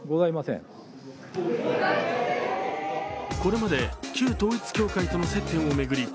これまで旧統一教会との接点を巡り